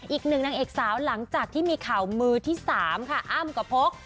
อีกหนึ่งนางเอกสาวหลังจากที่มีข่าวมือที่๓ค่ะอ้ำกับพก